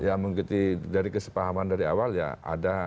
ya mengikuti dari kesepahaman dari awal ya ada